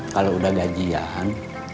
kalau udah gajian